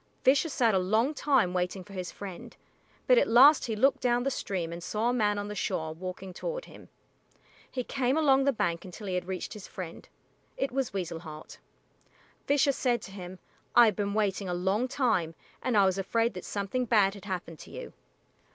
Fisher sat a long time waiting for his friend, but at last he looked down the stream and saw a man on the shore walking toward him. He came along the bank until he had reached his friend. It was Weasel Heart. Fisher said to him, "I have been waiting a long time, and I was afraid that something bad had happened to you."